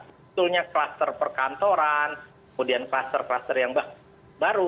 sebetulnya kluster perkantoran kemudian kluster kluster yang baru